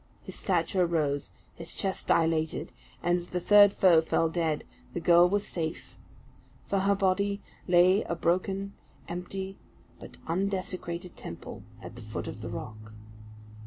His stature rose, his chest dilated; and as the third foe fell dead, the girl was safe; for her body lay a broken, empty, but undesecrated temple, at the foot of the rock.